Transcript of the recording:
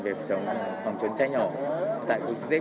về phòng chống cháy nổ